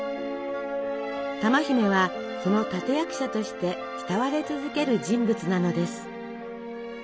珠姫はその立て役者として慕われ続ける人物なのです。